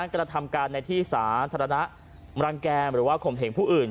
กระทำการในที่สาธารณะรังแก่หรือว่าข่มเหงผู้อื่น